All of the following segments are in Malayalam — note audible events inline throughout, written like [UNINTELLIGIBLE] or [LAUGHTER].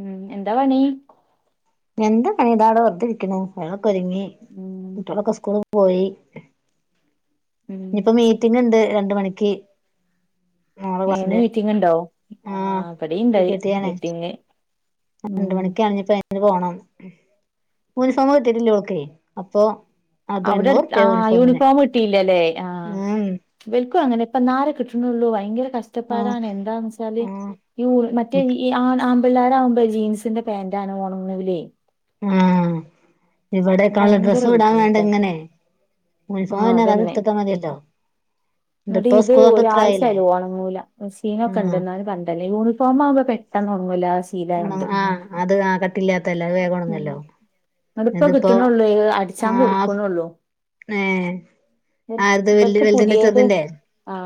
ഉം എന്താപണി എന്ത പണിതാട വർതെ ഇരിക്കനെ കരുങ്ങി ഉം ഇളക്ക സ്കൂളും പോയി ഉം ഇനിയിപ്പോ മീറ്റിംഗ ഉണ്ട് രണ്ട് രണ്ട് മണിക്ക് മോളെ ഏ ഇന്ന് ക്ലാസ്സില് മീറ്റിംഗ് ഉണ്ടാ ആ ആഹ് സി ഇവിടെയിൻഡ് പി ടി ആണ് മീറ്റിങ് രണ്ട് മണിക്ക്ഞ്ഞപ്പോ പോണം ഉത്സവത്തിന് ഉളര്ക്കെ അപ്പൊ അത് അവിടടു ആ എണ്ണൂറുപ്യ യൂണിഫോമിന് യൂണിഫോം കിട്ടിയില്ലല്ലേ ആ ഉം ഇവൾക്കു അങ്ങനെ പ്പാന്നാരാ കിട്ടണള്ളൂ ഭയങ്കര ആഹ് കഷ്ടപ്പാടാണ് എന്താന്ന് വെച്ചാല് ആഹ് ഈ മറ്റേ അ ആ പിള്ളോരാവു മ്പോ ജീൻസിന്റെ പാന്റ് ആണ് ഓണങ്ങുലെ ആ ഇവിടെക്കളുള്ള ഭയങ്കര ഡ്രസ്സ് ഇടാൻ വേണ്ട ബുദ്ധിമുട്ടാ ഇങ്ങനെ യോനിമൂഫോം തന്നെത് അത്ടുതിട്ട മതിയല്ലോ എന്നിട്ട ഇതിപ്പോ ഇത് സ്കൂൾ തൊട്ട് ഇത്ര ഒരാഴ്ച ആയില്ലേ ആയി ഓണണങ്ങൂല മെഷീനൊക്കെ ഇൻഡ് ആഹ് എന്നാലും കണ്ടല്ലേ ഉനൈഫ്രം ആകുമ്പോ പെട്ടെന്ന്ഓണങ്ങൂല ആഹ് അത് ആ കട്ടില്ലാത്തല്ലെ അത് വെഗൂണങ്ങുല്ലോ ഇങ്ങടിപ്പ കിട്ടണള്ളൂ അടിച്ചാ ആഹ് കൊടുക്കുന്നുള്ളു ഏഹ് ആര്ത് വല് ഇർക്ക് വലുതിന്റെ പുതിയത് ചെറുതിന്റെ ആ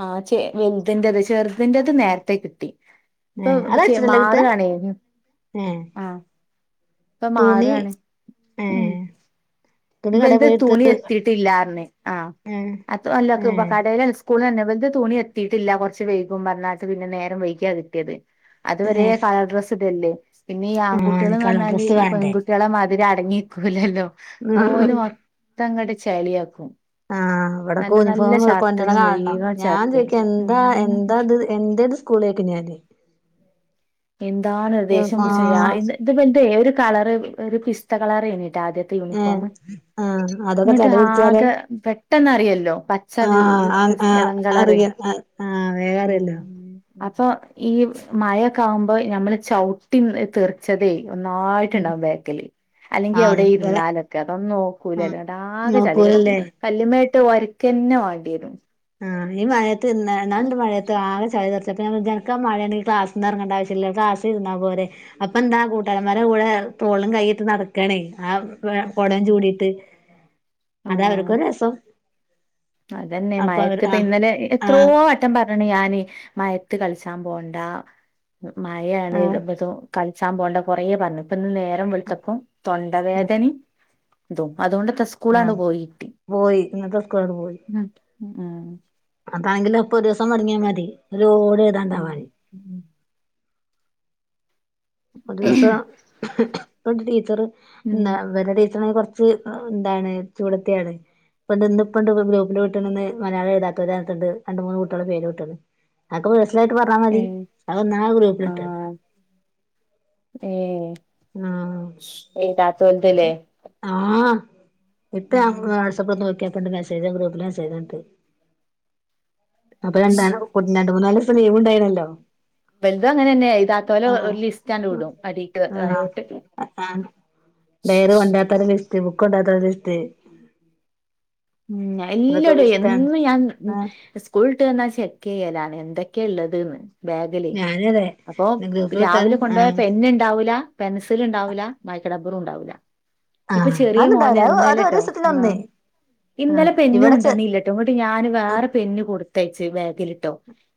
ആ ചെ വലുതിന്റെത് ചേർ അതിന്റെറത് നേരത്തെ കിട്ടി ഇപ്പൊ ചെ മാറവാണേ അഹ് തുണി ഏ വലത് തുണി എത്തിട്ടില്ലാരനെ ആ ഏഹ് അതു അല്ല ഏഹ് കടാലെ സ്കൂളിനന്നെ ബെർതെ തുണി എത്തിയിട്ടില്ല കുറച്ച് വൈകും പറഞ്ഞാച്ചെ പിന്നെ നേരം വൈക്യാണ് കിട്ടിയത് അത്വരെ ഏഹ് കളർ ഡ്രസ്സ് ഇദാണ്ടെ പിന്നെ ഈ ആഹ് ആൺകുട്ടികൾ എന്ന് എനിക്കുള്ള പറഞ്ഞാല് ഡ്രസ്സ് ഈ വേണ്ടേ പെൺകുട്ടികളെ മാതിരി അടങ്ങിക്കൂലല്ലോ പോലും മൊത്തംകട് ചളിയാക്കും ആ ഇവിടെക്കെ നല്ല നല്ല യൂണിഫോം ഷർട്ടുകള് കൊണ്ടണം കാണണം മുഴുവൻ ഞാൻ ഷർട്ട് ചോദിക്ക എന്താ എന്താത് എന്ത സ്കൂളിലക്ക് ഞാൻ എന്താണ് ദ്യശ്യംപിടിച് ഞ ആഹ് ഇതാപ ന്തെ ഒരു കളറ് ഒരു പിസ്ത കളറേന് ആദ്യത്തെ ഏഹ് ആഹ് അതൊക്കെ യൂണിഫോംങ്ങോട്ട് ചളി പിടിച്ചാലോ ആകെ പെട്ടെന്ന്റിയല്ലോ പച്ച ആഹ് ഒരു ആഹ് പിസ് ആഹ് ഇളം കളറ് അറിയാം ആഹ് വേഗം ഉം അറിയല്ലോ അപ്പൊ ഈ മഴൊക്കെ ആകുമ്പോ ഞമ്മള് ചവിട്ടി തീർച്ചതേ ഉം നന്നായിട്ടുണ്ടാവും ബക്കല് അല്ലെങ്കി ആഹ് അവിടെ അത്ങ്ങനെ ഇരുന്നാലൊക്കെ അതൊന്നും നോക്കൂല ആഹ് അല്ലാതെ ചളിയട നോക്കൂലല്ലേ കല്ലുമേ ട്ട് ഒരക്കന്നെ വേണ്ടിവരു ആ ഈ മഴയത് നല്ല മഴയത്ത് ആകെ ചളിതെ ചനക്ക് മഴയാെണെങ്കി ക്ലാസ്ൽന് ഇറങ്ങണ്ട ആവശ്യില്ല ക്ലാസ് ഇരുന്നാ പോരെ അപ്പ എന്താ കൂട്ടാരന്മാ കൂടെ തോളും കൈയിട്ട് നടക്കണേ ആ ഉം കുടചൂടിട്ട് അത ആഹ് അവർക്ക് രസം അതന്നെ അപ്പൊ അവര് മയത്ത് ഇപ്പ ആഹ് ഇന്നലെ എത്രോ ആഹ് വട്ടം പറഞ്ഞണ് ഞാന് മയത്ത് കളിച്ചാൻ പോ മഴയാണ് ആഹ് കളിച്ചാൻ പോകണ്ട കൊറേ പറഞ്ഞു നേരം വെളുത്തപ്പോ ഉം തൊണ്ടവേദനയും തു അതുകൊണ്ട്ത്ര സ്കൂളാങ്ങട് പോയി ദ് പോയി ഉം ഉം അതാണെങ്കില് അപ്പൊ ഒരു ദിവസം മടങ്ങിയാൽ മതി ഒരു ലോഡ് ഉം എഴുതാണ്ടാവാൻ ഒരു ദിവസം ഇ ടീച്ചർ ഉം വേറെ ടീച്ചറി കുറച്ച് എന്താണ് ചൂടത്തി ആള് ഇപ്പൊ നിന്നിപ്പണ്ട് ഗ്രൂപ്പില് വിട്ടന്ന് മയാളം എഴതാത്തുണ്ട്ണ്ടണ്ട് മൂന്ന് കുട്ടികളുടെ പേര് വിട്ടണ് അൊക്കെ മനസ്സിലായിട്ട് പറഞ്ഞാൽ ഏ മതി അന്ത ഗ്രൂപ്പിലിട്ട ആഹ് ഏ താ ആഹ ഇപ്പ ഞ ഉം വാട്്സപ്പിൽ ഒന്ന് നോക്കാപ്പണ്ട് മസ ചെയ്തൻ ഗ്രൂപ്പില് ഞാൻ ചെയ്തട്ട് അപ്പൊ രണ്ടാണ് കുട്ടി രണ്ട മൂന്ന് നാലസം ലീവ് ഉണ്ടായിനല്ലോ വലുതും അങ്ങനെ തന്നെയ ഇതാത്ത പോലെ ഒരു ലിസ്റ്റ് വിടും ആഹ് അടിക്ക്യോട്ട് ഡയറി ഉണ്ടാത്ത ഒരു ലിസ്റ്റ് ബുക്ക് ഉണ്ടാത്ത ലിസ്റ്റ് ഉം അതൊക്കെ ഒരു എല്ലോട എും ലിസ്റ്റാണ് ഞാൻ ആ സ്കൂളട്ട് തന്നാ ചെക്ക് ചെയ്യലാണ് എന്തൊക്ക ഒക്കള്ളത്ന്ന് ബാഗല്േ ഞാനതെ അപ്പൊ ഗ്രൂപ്പിൽ വിട്ടാല് രാവിലെ കൊണ്ടു ആഹ് പോോയപ്പോ എന്നെ ഉണ്ടാവൂല പെൻസിൽ ഉണ്ടാവില്ല ബാക്കക്ക് റബ്ബറും ഉണ്ടാവില്ല ഇപ്പൊ ആഹ് ചെറിയ മോന അത്ണ്ടാവില്ല അത് അത് ഒരു എന്തോലട്ടോ ആഹ ദിവസത്തിലൊന്ന് ആഹ് ഇന്നലെ പെന്ന ഇവിടെ ചെ കൊണ്ടന്ന ഇല്ലട്ടോ ഇങ്ങോട്ട് ഞാാന് ആഹ് വേറെ പെന്ന കൊടുത്തയച്ചു ബാഗിലിട്ടോ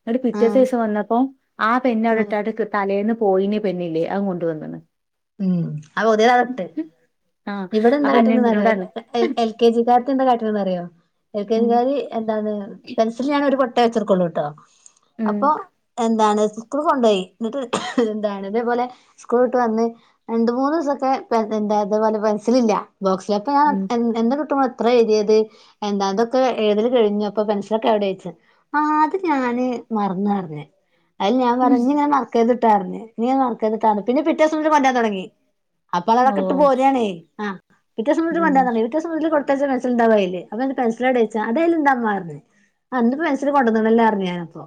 ഇട് പിറ്റേത്തെ ആഹ് ദിവസം വന്നപ്പോ ആ പെന്നെ അവിടെട്ട തലേ ന്ന് പോയിെ പന്നില്ലേ അൻ കൊണ്ടുവന്നണ് ഉം ആ്ോത് നാഗട്ടെ ആ ഇവിടെ എന്താ അപ്പൊ ഇന്നെ ഇന്നോട് കറ പറഞ്ഞ് എൽ കെ ജാർ എന്താ റോ ഉം എാരി എന്താണ് പെൻസില ഒരു കൊൊട്ടയ വെച്ചെടുക്കുള്ളൂ കേട്ടോ ഉം അപ്പൊ എന്താണ് കൂൾ കൊണ്ടോയി ഇന്നിട്ട് എന്താണ് ഇതേപോലെ സ്കൂള്ട്ട് വന്ന് രണ്ട് മൂന്നൂസൊക്കെ പേതന് തേത്പോലെ പെൻസിലില്ല്യ ബോക്സിൽ അപ്പൊ ഞാൻ ഉം എൻ എന്ത് കിട്ടു [UNINTELLIGIBLE] ഇത്ര എയ്ത്യേത് എന്താ ഇതൊക്കെ എഴ്തല് കഴിഞ്ഞോ ഇപ്പ പെൻസിലൊക്കെ എവടെ ചോയ്ച്ചു അത് ഞാന് മറന്നറഞ്ഞ് അയ്ല ഞാൻ പറഞ് ഇഞ്ങ്ങനെ മറക്കര്ത്ട്ടാർഞ്ഞ് പിന്നെ പിറ്റേസം മുതല് കൊൻ്റാൻ തൊടങ്ങി. അപ്പത് ഓ അതൊക്കെ ഇട്ട് പോരാണേയേ് ആഹ് പിറ്റേസം മുതല് ഉം കൊൻ്റാൻ തൊടങ്ങി പിറ്റേസം മുതല് ത് കൊടുത്തയച്ച പെൻസില്ണ്ടാവും അയ്ല് അപ്പ ഞാൻ [UNINTELLIGIBLE] പെൻസിലെവടേയ്ച്ചാ അതയ്ല്ണ്ടമ്മാർഞ്ഞ് ആ ഇന്ന്പ്പോ പെൻസില് കൊണ്ടന്ന് ണല്ലോ അർഞ്ഞ് ഞാനപ്പോ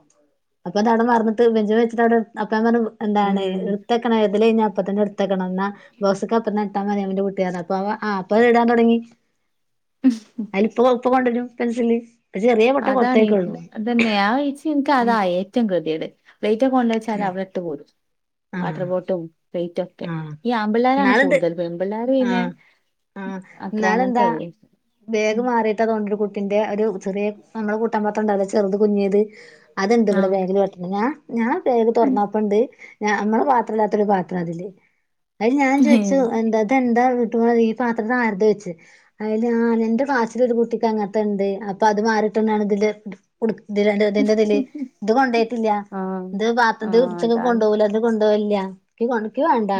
അപ്പൊ അതവടെ മറന്ന്ട്ട് ബെഞ്ച്മ്മെ വെച്ചിട്ട് അവടെ അപ്പൊ ഞാൻ പറഞ്ഞു എന്താണ് ഉം ഇട്ത്തക്കണം എഴ്തലഴിഞ്ഞാ അപ്പ തന്നെ എട്ത്തക്കണം ഇന്നാ ബോസ്ക്ക് അപ്പത്തന്നെ ഇട്ടാ മതി ആമിൻ്റെ കുട്ടീ അർഞ്ഞ് അ ഇപ്പവ ആഹ് ഇപ്പ അയ്ടാൻ തൊടങ്ങി അയില് ഇപ്പവ് ഇപ്പ കൊണ്ടോരും പെൻസില് ചെറിയ പൊട്ടേ അതാണ് കൊടുത്തേക്കുള്ളൂ ഇതന്നെ ആഹ് ഇച്ച് ഇന്ക്ക് ഉം അതാ ഏറ്റും കെദിയേട് പ്ലേറ്റൊക്കെ കൊണ്ടേച്ചാലവി ഇട്ട് പോരും വാട്ടർ ആഹ് ബോട്ടും പ്ലേ റ്റൊക്കെ ആഹ് ഈ ആമ്പിള്ളാരാണ് എന്നാലുണ്ട് കൂട്തല് പെമ്പിള്ളാര് പിന്നെ ആഹ് ആഹ് അത്ര ഇന്നാളെന്താ അങ്ങനത്തെതല്ലേ ബേഗ് മാറിട്ടാ തോന്ന്ണ് ഒര് കു ട്ടിന്റെ ഒരു ചെറ്യെ അമ്മളെ കൂട്ടാൻ പാത്രണ്ടാവുല്ലേ ചെറ്ത് കുഞ്ഞ്യേത് അത്ണ്ട് ഇവടെ ആഹ് ബേഗില് പെട്ട്ണ് ഞാ ഞാൻ ബേഗ് തൊറന്നപ്പണ്ട് ഞ അമ്മളെ പാത്രല്ലാത്തൊരു പാത്രം അതില് അയില് ഞാ ചോയിച്ചു എന്താ ഇതെന്താ [UNINTELLIGIBLE] ഈ പാത്രം ഇതാര്തോയിച്ച് അയില് ആഹ് നന്റെ ക്ലാസിലൊര് കുട്ടിക്ക് അങ്ങത്തണ്ട് അപ്പോ അത് മാ റിട്ടന്നേണ് ഇതില് ഉട് ഉടുക്ക് ഇതിലാണ്ട് ഇതിന്റെതില് ഇത് കൊണ്ടേയിട്ട്ല്ലാ. ആഹ് ഇത് പാത്രത് ഇത് ആഹ് ഉച്ചക്ക് അതാണ് കൊണ്ടോവുല ഇത് കൊണ്ടോവല് ഇല്ലാ ആഹ് ക്കിവാണ്ട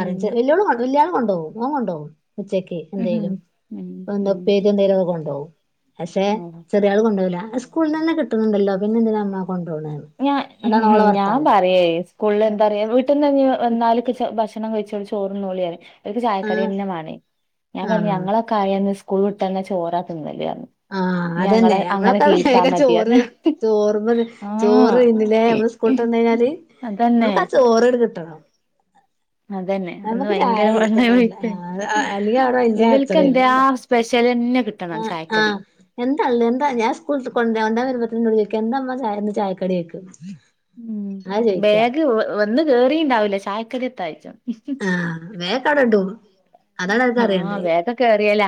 ഉം ചെ വല്ല്യോള് കൊ വല്ല്യാള് കൊണ്ടോവും ഓൻ കൊണ്ടോവും ഉച്ചക്കെ ഉം എന്തേലും ഉം എന്താ ഉം ഉപ്പേരിയെന്തേലൊക്ക കൊണ്ടോവും പക്ഷേ ആഹ് ചെറിയാള് കൊണ്ടോവുല്ലാ സ്കൂള്ന്നന്നെ കിട്ട്ണണ്ടല്ലോ പിന്നെ എന്തിനാ ഇമ്മാ ഞാ ഞാൻ പറിയേ സ്കൂള്ല് എന്താറിയോ വീട്ട്ന്ന്ഞ്ഞ് വ വന്നാല്ക്ക് [UNINTELLIGIBLE] ഭക്ഷ് ച്ചണം കഴിച്ചോളി ചോറ്ന്നോളിയറിം ഓല്ക്ക് ആഹ് ചായക്കടിയന്നെ മാണേ ഞാ പറഞ്ഞ് ആഹ് ഞങ്ങളൊക്കെ ആയന്ന് സ് ക്കൂള് വിട്ടന്നാ ചോറാതിന്നല് ആഹ് അതന്നെ നമ്മളൊക്ക വേഗം ചോറ് മതിയന്ന് ചോറ്മ്മന്നെ ആഹ് ചോറേര്ന്ന്ല്ലേ അമ്മള് സ്കൂള്ട്ടന്നഴിഞ്ഞാല് അതന്നെ നമ്മക്കാ ചോറ്ട്ട് കിട്ടണം അതന്നെ അന്ന് നമുക്ക് ചായ ഭയങ്കര ഇതൊന്നുല്ല പള്ളെപയിപ്പേനി ആഹ് അല്ലെങ്കി അവിടെ വല്യ ഇവല്ക്കെന്ത്യെ കച്ചറേണ് ആഹ് സ്പെഷ് യലന്നെ കി ആഹ് ആഹ് എന്താള്ളെ എന്താ ഞാൻ സ്കൂൾട്ട് കൊണ്ടരാണ്ടെ [UNINTELLIGIBLE] വരുമ്പത്തിനും ഇന്നോട് ചോയിക്കാ എന്താമ്മ ചായ ഇന്ന് ചായക്കടിയോയ്ക്കും ഉം ബാഗ് വെ വന്ന് കേറിണ്ടാവുല്ല ചായക്കടി എത്തായ്ച്ചും ആഹ് വേക്കാവുടെ ഇടും അതാണ് അവർക്ക് ആഹ് അറിയണ്ടേ വേക കേറിയല്ല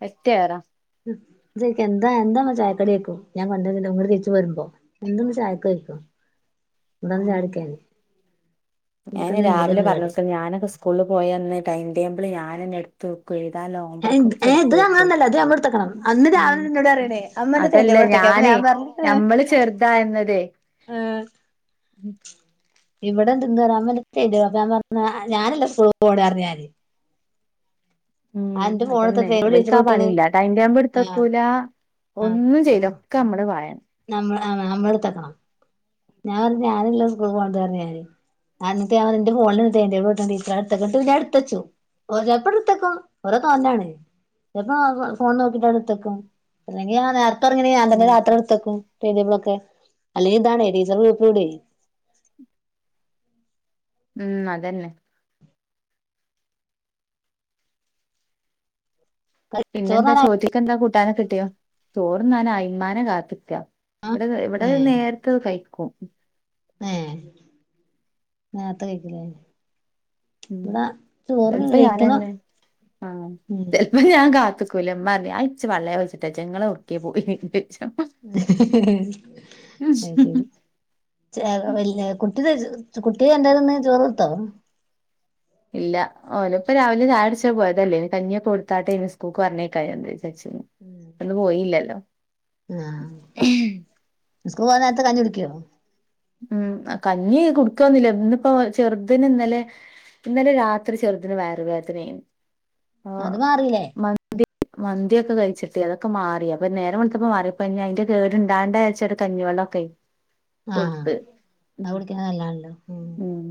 [UNINTELLIGIBLE] ഉം [UNINTELLIGIBLE] എന്താ എന്താമ്മ ചായക്കടി ചോയ്ക്കും ഞാൻ കൊണ്ടചെല്ലുമ്പോ ഇങ്ങട്ട് തിരിച്ചുപോരുമ്പോ എന്താന്ന് ചായക്കയ്ക്കും. ഇവടെവന്ന് ഉം ചായടിക്കനേ ഞാന് രാവിലെ പറഞ്ഞൊക്കും ഞാനക്ക സ്കൂള്ല് പോയന്ന് ടൈംടേബിള് ഞാനന്നെ എടുത്ത് വെക്കുവേം എന്നിട്ട് ആ ഏഹ് ലോമ്പർക്കൊക്കെ ഏഹ് എടുത്ത് ഇത് വെക്കും അങ്ങനൊന്നല്ല ഇത് ഞമ്മള്ട്ത്തക്കണം അന്ന് ഉം ഉം രാവിലെ ഇന്നോട് പറയണേ അമ്മ അന്റെ ടൈം അതല്ല ടേബിൾ ഇട്ത്തക്കെ അപ്പൊ ഞാനേ ഞാൻ നമ്മള് ചെറുതായെന്നത്തെ ഉം ഇവടെ [UNINTELLIGIBLE] തെരോ അപ്പോ ഞാ പറഞ്ഞ് ഞാനല്ല സ്കൂളില് പോണേ പറഞ്ഞ് ഞാന് ഉം അന്റെ അതന്നെ ഫോണ്ട്ത്തപ്പെ ഇവല്ക്ക് ടീച്ചർ ആ വിട്ട്ണ് പണില്ല ടൈം ടേബിൾ ആഹ് എടുത്തക്കൂല ഒന്നും ചെയ്യുലാ ഒക്കെ നമ്മള് വായ നമ്മ ആഹ് നമ്മടുത്തെക്കണം. ഞാൻ പറഞ്ഞ് ഞാനല്ല സ്കൂൾ പോണത് പറഞ്ഞ് ഞാന് അന്നട്ട് ഞാൻ പറയും ന്റെ ഫോണില് ടൈടേബിൾ വിട്ടാ [UNINTELLIGIBLE] എന്നിട്ട് ഞാൻ എടുത്തച്ചു. [UNINTELLIGIBLE] ഓരോ തോന്നാണ്. ചെപ്പോ ഫോൺ നോക്കിട്ട് എടുത്തെക്കും. അല്ലെങ്കി നേരത്തെ ഒറങ്ങി ഞാൻ തന്നെ ഉം രാത്രി എടുത്ത ക്കും ടൈം ടേബളൊക്കെ അല്ലെങ്കി ഇതാണേ ടീച്ചറ് ഗ്രുപ്പിലിടുവേ ഉം അതന്നെ. പിന്നെന്താ ചോറിനാനായോ ചോറ്റക്ക് എന്താ കൂട്ടാന കിട്ടിയോ? ചോർന്നാനായി ഉമ്മാനെ കാത്തിക്ക. ആഹ് ഇവിടെ ഇവിടെ നേരത്തെ അത് കഴിക്കും. ഏ നേരെത്തെ കഴിക്കും ലെ? ഉം ചെലപ്പോ ഞാനെന്നെ ആ ഉം ചെലപ്പോ ഞാൻ കാത്ത് കൂല ഇമ്മ പറയും ഞാൻ ഇച്ചു പള്ള പയ്ച്ചിട്ട് വജ്ജ ഇങ്ങള്എവടക്കെ പോയി അത് ശരി ച വല്ല കുട്ടി ത കുട്ടി എന്താതിന്ന് ചോറോടുത്തോ? ഇല്ല ഓല ഇപ്പോ രാവിലെ ചായ കുടിച്ച പോയതല്ലേ ഇനി കഞ്ഞി ഒക്കെ കൊടുത്താട്ടെ ഇനി സ്കൂക്ക് പറഞ്ഞേക്ക എ അന്ന് പോയില്ലല്ലോ സ്കൂളി പോക നേരത്തെ കഞ്ഞി കുടിക്കോ? ഉം കഞ്ഞി കുടുക്കന്നില്ല ഇന്നിപ്പോ ചെറുതന് ഇന്നലെ ഇന്നലെ രാത്രി ചെറുതിന് വേയർ വേതന അയിന്ന് ആ അത് മാറില്ലേ മതി മന്തി ഒക്കെ കഴിച്ചിട്ടി അതൊക്കെ മാറി അപ്പോ നേരം വെളുത്തപ്പോ വിളടുത്തപ്പ മാറി ഇനി ഇപ്പൊ അയിന്റെ കേടു ഇണ്ടാവണ്ട വെച്ച അത് കഞ്ഞി വെള്ളക്ക് ആ ഹ അത് കുടിക്കണ നല്ലാണല്ലോ. ഉം ഉം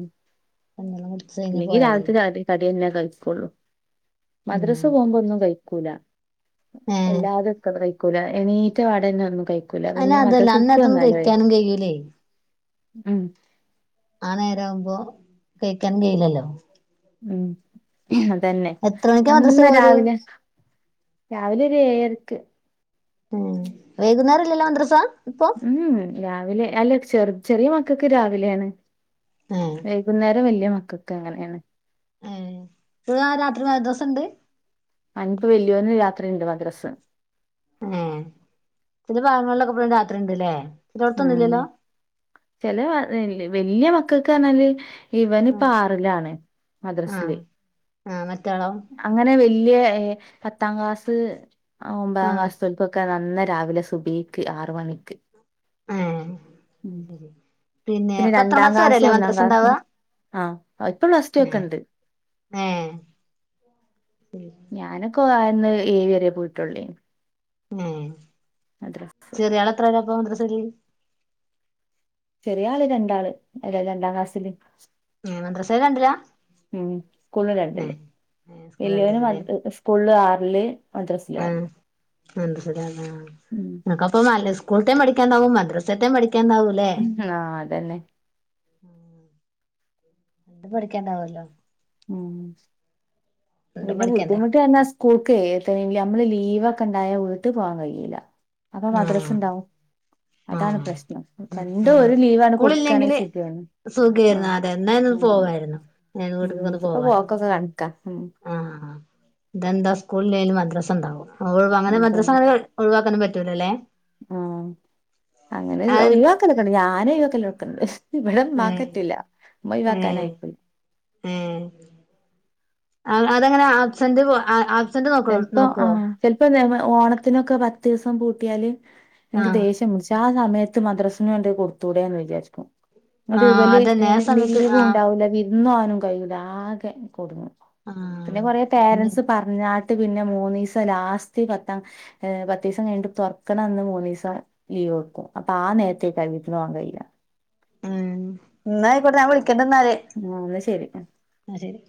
കഞ്ഞിവെള്ളം കുടിച്ച് കഴിഞ്ഞ് അല്ലെങ്കി പോയാല് രാവിലത്തെ കടന്നെ കഴിക്കുള്ളൂ. മദ്രസ ആഹ് പോകുമ്പോ ഒന്നും കഴിക്കൂല. ഏഹ് എല്ലാതും ഒക്ക കഴിക്കൂല എനീറ്റ വാടന്നെ ഒന്നും കഴി കൂല അയിന് പിന്നെ അതല്ല മദരസ വുട്ട് അന്നേരത്തൊന്നും വന്നാലോ കഴിക്കാനും കഴിയൂലേ ഉം ആ നേരവുമ്പോ കഴിക്കാൻ കയിലല്ലോ. ഉം അതന്നെ എത്ര മണിക്കാ മദ്രസ അന്ന് പോവല് രാവിലെ രാവിലെ ഒരു ഏഴരക്ക്. ഉം വേഗുന്നേരല്ലെല്ല മദ്രസ. ഇപ്പൊ ഉം രാവിലെ അല്ല ചെറ ചെറിയ മക്കൊക്ക് രാവിലെണ്. ഏഹ് വൈകുന്നേരം വലിയ മക്കക്ക് അങ്ങനെണ്. ഉം ല്ല രാത്രി [UNINTELLIGIBLE] ദിവസ ഉണ്ട്. അനിപ്പ വലിയോന രാത്രിഇണ്ട് മദ്രസ്. ഏ ചില ഭാഗങ്ങളിലൊക്കെ ഇപ്പോഴും രാത്രി ഉണ്ട്ല്ലേ? ഉം ചില വല്യ മക്കൾക്ക് പറഞ്ഞാല് ഇവനിപ്പോ ആഹ് ആറിലാണ് മദ്രസില്. ആ മ അങ്ങനെ വല്ല്യ പത്താം ക്ലാസ് ഒമ്പതാം ആഹ് ക്ലാസ് തോല്ക്കൊക്കെ നന്ന രാവിലെ സുബ്ഹിക്ക് ആറ് മണിക്ക്. ഏ ഉം അയ്ശെരി, പിന്നെ പത്താം ക്ലാസ് വരേല്ലേ മദ്രസ ഇണ്ടവാ. ആ ഇപ്പ പ്ലസ് ടു ഒക്കെണ്ട്. ഏ. ഞാനൊക്ക അന്ന് ഏഴ് വരെ പോയിട്ടോള്ളേനീ. ഏ ചെറിയാൾ എത്രേല്ലാപ്പൊ മദ്രസേല്. ചെറിയ ആള് രണ്ടാള് അല്ല രണ്ടാം ക്ലാസ്സില്. ഏ മദ്രസേല് രണ്ടിലാ. ഉം സ്കൂളും രണ്ടില് ഏഹ് ഏഹ് സ്കൂള് വലിയവനും അ സ്കൂളില് ആറില് മദ്രസില് ആ ആറില് [UNINTELLIGIBLE] ഉം ഇങ്ങക്കപ്പം ന സ്കൂള്ത്തേം പഠിക്കാണ്ടാവും മദ്രസേത്തേം പഠി ആ അതന്നെ. ഉം. രണ്ടുംപഠിക്കാണ്ടാവല്ലോ. ഉം രണ്ടും പിന്നെ പഠിക്കണ്ടേ ബുദ്ധിമുട്ടി വന്ന സ്കൂൾക്കേ [UNINTELLIGIBLE] അമ്മള് ലീ ലീവൊക്കെ ഇണ്ടായ വീട്ട് പോവാൻ കയ്യൂല, അപ്പൊ മദ്രസ് ആഹ് ഇണ്ടാവും. അതാണ് ആഹ് പ്രശ്നം, രണ്ടും ഒരു ലീവാണ് കൊടുക്കാണേ സുഖേന്നൂ. സുഖേരുന്നു അതെ എന്നാന്ന് പോവായ്ര്ന്നു ഉം ഇതിപ്പോ പോവാലോ പോക്കൊക്കെ കണക്കാ ഉം ആ ആ ആ. സ്കൂളില്ലെലും മദ്രസ ഇണ്ടാവും, അങ്ങനെ മദ്രാസ അതന്നെ അങ്ങനെ ഒഴിവാക്കാനും പറ്റൂലല്ലേ. അങ്ങനെയ അത് ഒഴിവാക്കലൊക്കെണ്ട് ഞ ഏഹ് [UNINTELLIGIBLE] ഉം. അതങ്ങനെ ആബ്സന്റ് ആ ആ. ചെലപ്പോ ആ ചെലപ്പോ ഇതേപോ ഓണത്തിനൊക്കെ പത്തീസം പൂട്ടിയാല് ഇൻക്ക് ആഹ് ദേഷ്യം പിടിച്ചും ആ സമയത്ത് മദ്രസ്ന് വേണ്ടി കൊടുത്തൂടെന്ന് വിചാരിക്കും. ന്നട്ട് ആഹ് ഇവല് അതന്നെ ആ സമയത്ത് ആഹ് ലീവൂണ്ടാവൂല്ല വിര്ന്നോവാനും കയ്യൂല ആകെ കുടുങ്ങും. പിന്നെ ആഹ് കൊറേ പേരൻസ് പറഞ്ഞാ പിന്നെ മൂന്നീസം ലാസ്റ്റ് പത്താം പത്തീസം കഴിഞ്ഞ്ട്ട് തൊറക്ക്ണന്ന് മൂന്നീസം ലീ അപ്പൊ ആ നേരത്തെ [UNINTELLIGIBLE] ഉം ന്ന ആയിക്കോട്ടെ ഞാൻ വിളിക്കണ്ട്ന്നാല്, ആഹ് എന്നാ ശരി ആ ശരി.